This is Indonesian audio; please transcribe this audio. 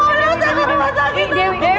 pernah begitu besar